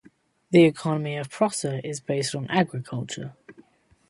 The economy of Prosser is based on agriculture.